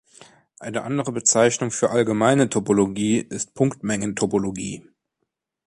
Eine andere Bezeichnung für allgemeine Topologie ist Punktmengentopologie.